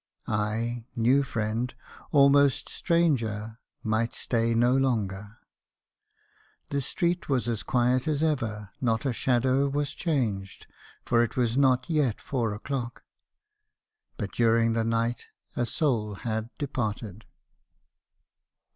I, new friend, almost stranger, might stay no longer. The street was as quiet as ever; not a shadow was changed ; for it was not yet four o'clock. But during the night a soul had departed.